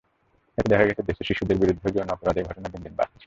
এতে দেখা গেছে, দেশে শিশুদের বিরুদ্ধেও যৌন অপরাধের ঘটনা দিনে দিনে বাড়ছে।